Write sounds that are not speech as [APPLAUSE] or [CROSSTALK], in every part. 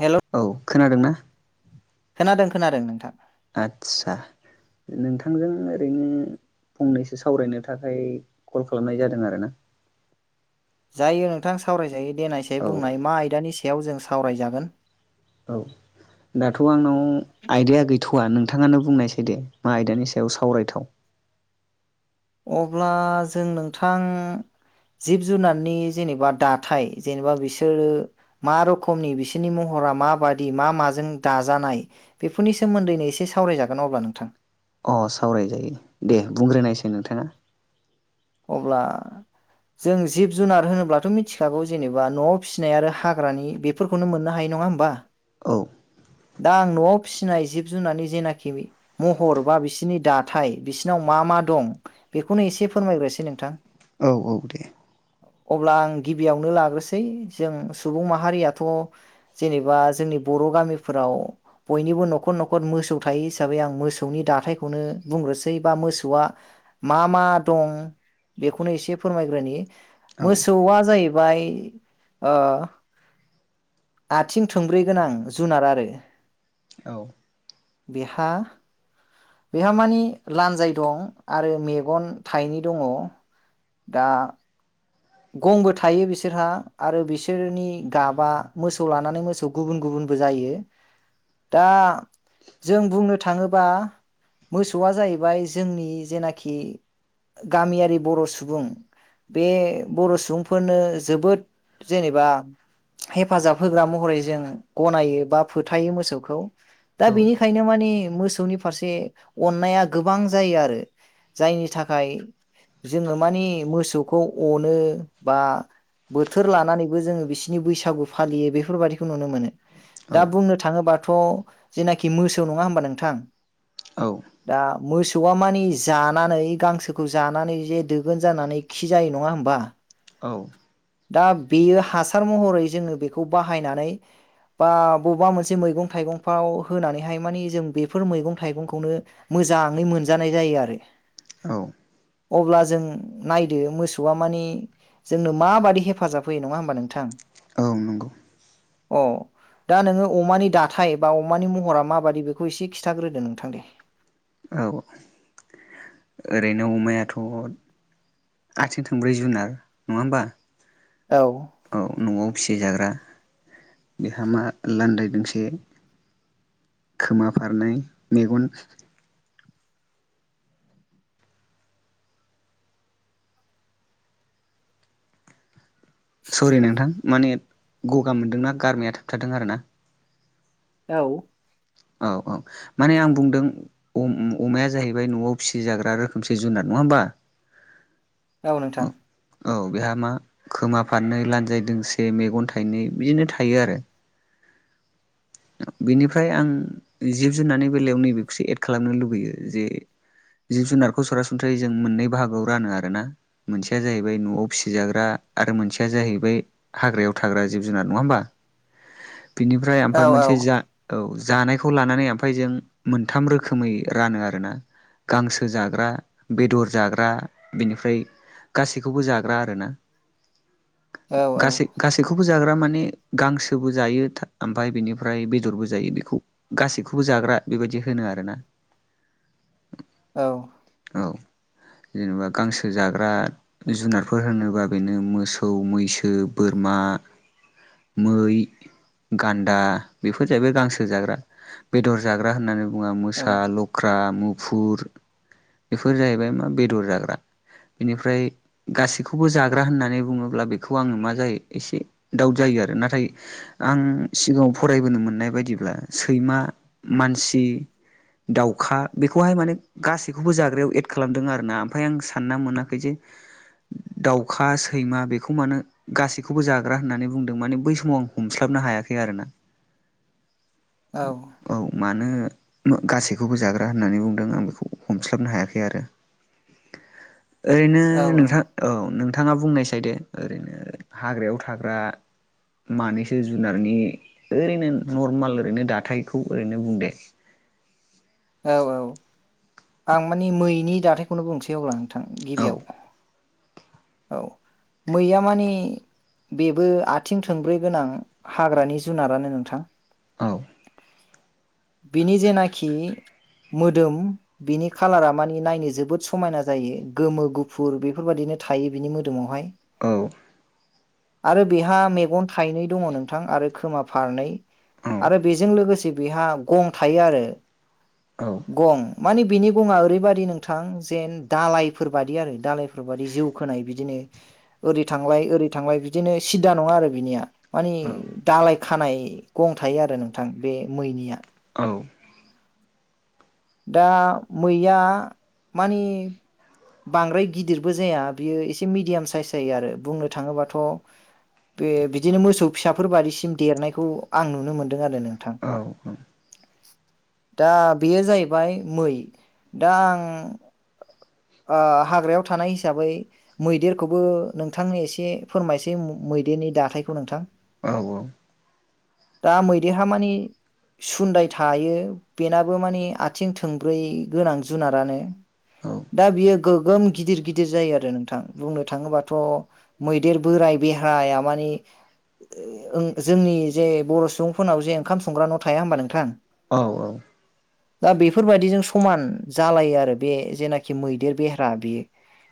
हेल' औ खोनादोंना? खोनादों खोनादों नोंथां। आदसा नोंथांजों ओरैनो फंनैसो सावरायनो थाखाय कल खालामनाय जादों आरो ना। जायो नोंथां सावरायजायै देनायसायै औ बुंनाय मा आयदानि सायाव जों सावरायजागोन। औ। दाथ' आंनाव आयदाया गैथ'वा नोंथाङानो बुंनायसै दे मा आयदानि सायाव सावरायथाव। अब्ला जों नोंथां जिब जुनारनि जेनेबा दाथाय जेनेबा बिसोरो मा रखमनि बिसिनि महरा माबादि मा माजों दाजानाय बेफोरनि सोमोन्दैनो एसे सावरायजागोन अब्ला नोंथां। अ सावरायजायो दे बुंग्रोनायसै नोंथाङा। अब्ला जों जिब जुनार होनोब्लाथ' मिथिखागौ जेनेबा न'आव फिसिनाय आरो हाग्रानि बे बेफोरखौनो मोननो हायो नङा होमबा? औ। दा आं न'आव फिसिनाय जिब जुनारनि जेनाखि बे महर बा बिसिोरनि दाथाय बिसोरनाव मा मा दं बेखौनो एसे फोरमायग्रोसै नोंथां औ औ दे। अब्ला आं गिबियावनो लाग्रोसै जों सुबुं माहारियाथ' जेनेबा जोंनि बर' गामिफोराव बयनिबो न'खर न'खर मोसौ थायो हिसाबै आं मोसौनि दाथायखौनो बुंग्रोसै बा मोसौआ मा मा दं बेखौनो एसे फोरमायग्रो औ मोसौआ जाहैबाय आथिं थब्रै गोनां जुनार आरो औ बिहा बेहा मानिे लान्जाय दं आरो मेगन थाइनै दङ दा गंबो थायो बिसोरहा आरो बिसोरनि गाबा मोसौ लानानै मोसौ गुबुन गुबुनबो जायो दा जों बुंनो थाङोबा मोसौआ जाहैबाय जोंनि जेनाखि गामियारि बर' सु बुं बे बर' सुबुंफोरनो जोबोद जेनेबा हेफाजाब होग्रा महरै जों गनायो बा फोथायो मोसौखौ। दा बेनिखायनो मानिे मोसौनि फारसे अननाया गोबां जायो आरो जायनि थाखाय जोङो मानिे मोसौखौ अनो बा बोथोर लानानैबो जोङो बिसिनि बैसागु फालियो बेफोरबायाददिखौ नुनो मोनो। औ दा बुंनो थाङोबाथ' जेनाखि मोसौ नङा होमबा नोंथां औ दा मोसौआ मानि जानानै गांसोखौ जानानै जे दो गोन जानानै खि जायो नङा होमबा? औ। दा बेयो हासार महरै जोङो बेखौ बाहायनानै बा बबेबा मोनसे मैगं थाइगंफ्राव होनानैहाय मानिे जों बेफोर मैगं थाइगंखौनो मोजाङै मोनजानाय जायो आरो। औ। अब्ला जों नायदो मोसौआ माने जोंनो माबादि हेफाजाब होयो नङा होमबा नोंथां? औ नंगौ। अ। दा नोङो अमानि दाथाय बा अमानि महरा माबादि बेखौ एसे खिथाग्रोदो नोंथां दे। औ ओरैनो अमायाथ' आथिं थांब्रै जुनार नङा होमबा? औ औ न'आव फिसि जाग्रा बेहा मा लान्दाय दोंसे खोमा फारनाय मेगन सरि नोंथां माने गगा मोन्दोंना गारमाया थाबथारादों आर ना। औ। औ औ माने आं बुंदों अमाया जाहैबाय न'आव फिसिजाग्रा रोखोमसे जुनार नङा होमबा? औ नोंथां। औ बेहा मा खोमा फारनै लान्जाय दोंसे मेगन थाइनै बिदिनो थायो आरो। बेनिफ्राय आं जिब जुनारनि बेलायाव नैबेखौसो एड खालामनो लुबैयो जे जिब जुनारखौ सरासनस्रायै जों मोननै बाहागोआव रानो आरो ना ‌। मोनसेया जाहैबाय न'आव फिसिजाग्रा आरो मोनसेया जाहैबाय हाग्रायाव थाग्रा जिब जुनार नङा होमबा? [INAUDIBLE] बिनिफ्राय औ आमफाय औ मोनसे आ औ जानायखौ लानानै ओमफ्राय जों मोनथाम रोखोमै रानो आरोना। गांसो जाग्रा बेदर जाग्रा बेनिफ्राय गासैखौबो जाग्रा आरोना। औ गा-गासै-गासैखौबो जाग्रा माने गांसोबो जायो था ओमफ्राय बिनि ओमफ्राय बेदरबो जायो बेखौ गासैखौबो जाग्रा बेबायदि होनो आरोना। औ। औ जेनेबा गांसो जाग्रा जुनारफोर होनोबा बेनो मोसौ, मैसो, बोरमा मै, गान्दा बेफोर जाहैबाय गांसो जाग्रा बेदर जाग्रा होननानै बुङा औ मोसा, लख्रा, मुग फुर बेफोर जाहैबाय मा बेदर जाग्रा बेनिफ्राय गासैखौबो जाग्रा होननानै बुङोब्ला बेखौ आङो मा जायो एसे दाउद जायो आरो नाथाय आं सिगाङाव फरायबोनो मोननाय बायदिब्ला सैमा, मानसि दाउखा बेखौहाय माने गासैखौबो जाग्रायाव एद खालामदों आरोना ओमफाय आं सानना मोनाखै जे दाउखा, सैमा बेखौ मानो गासैखौबो जाग्रा होननानै बुंदों माने बै समाव आं हमस्लाबनो हायाखै आरोना। औ। औ मानो गासैखौबो जाग्रा होननानै बुंदों आं बेखौ हमस्लाबनो हायाखै आरो। [INAUDIBLE] ओरैनो औ नोंथां औ नोंथाङा बुंनायसाय दे ओरैनो हाग्रायाव थाग्रा मानैसो जुनारनि ओरैनो नर्माल ओरैनो दाथायखौ ओरैनो बुं दे। औ औ आं मानि मैनि दाथायखौनो बुंनोसै अब्ला नोंथां औ गिबियाव। औ मैया मानि बेबो आथिं थोंब्रै गोनां हाग्रानि जुनारानो नोंथां औ। बेनि जेनाखि मोदोम बिनि खालारा मानि नायनो जोबोद समायना जायो गोमो गुफुर बेफोरबायदिनो थायो बिनि मोदोमावहाय था औ आरो बेहा मेगन थाइनै दङ नोंथां आरो खोमा फारनै औ आरो बेजों लोगोसे बेहा गं थायो आरो औ गं माने बिनि गङा ओरैबायादि नोंथां जेन दालायफोर बादि आरो दालायफोर बादि जिउ खोनाय बिदिनो ओरै थांलाय-ओरै थांलाय बिदिनो सिद्दा नङा आरो बिनिया मानि औ दालाय खानाय गं थायो आरो नोंथां बे मैनिया। औ। दा मैया मानि बांद्राय गिदिरबो जाया बियो एसे मिडियाम साइस जायो आरो बुंनो थाङोबाथ' बे बिदिनो मोसौ फिसाफोर बाददिसिम देरनायखौ आं नुनो मोनदों आरो नोंथां। औ। दा बेयो जाहैबाय मै दा आं ओ हाग्रायाव थानाय हिसाबै मैदेरखौबो नोंथांनो एसे फोरमायसै मैदेरनि दाथायखौ नोंथां। औ औ दा मैदेरहा मानि सुन्दाय थायो बेनाबो मानि आ थिं थोंब्रै गोनां जुनारानो औ दा बियो गोगोम गिदिर-गिदिर बिदि जायो आरो नोंथां बुंनो थाङोबाथ' मैदेर बोराय बेहाया मानि [UNINTELLIGIBLE] ओं जोंनि जे बर' सुबुंफोरनाव जे ओंखाम संग्रा न' थाया होबा नोंथां औ औ दा बेफोरबायदिजों समान जालायो आरो बे जेनाखि मैदेर बेहेरा बेयो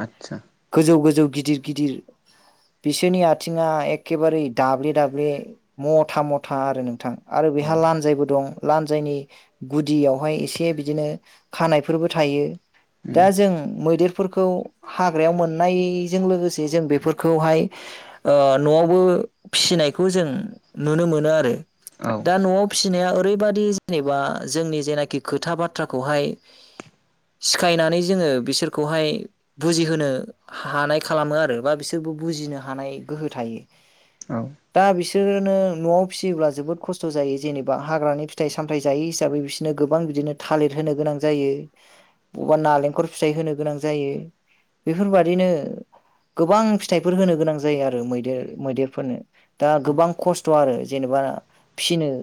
आतसा गोजौ-गोजौ गिदिर-गिदिर बिसोरनि आथिङा एखेबारे दाब्ले-दाब्ले मथा-मथा आरो नोंथां आरो औ बेहा लानजायबो दं लानजायनि गुदियाव बेावहाय एसे बिदिनो खानायफोरबो थायो उम दा जों मैदेरफोरखौ हाग्रायाव मोननायजों लोगोसे जों बेफोरखौहाय ओ न'आवबो फिसिनायखौ जों नुनो मोनो आरो औ दा न'आव फिसिनाया ओरैबाददि जेनेबा जोंनि जेनाखि खोथा बाथ्राखौहाय सिखायनानै जोङो बिसोरखौहाय बुजिहोनो हानाय खालामो आरो बा बिसोरबो बुजिनो हानाय गोहो थायो औ दा बिसोरनो न'आव फिसियोब्ला जोबोद खस्थ' जायो जेनेबा हाग्रानि फिथाइ सामथाय जायै हिसाबै बिसोरनो गोबां बिदिनो थालिर होनो गोनां जायो बबावबा नालेंखर फिथाइ होनो गोनां जायो बेफोरबादिनो गोबां फिथाइफोर होनो गोनां जायो आरो मैदेर मैदेरफोरनो दा गोबां खस्थ' आरो जेनेबा फिसिनो